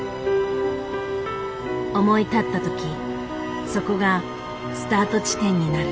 思い立った時そこがスタート地点になる。